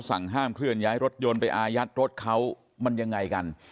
สั่งห้ามเคลื่อนย้ายรถยนต์ไปอายัดรถเขามันยังไงกัน